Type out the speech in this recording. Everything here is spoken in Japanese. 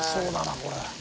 これ。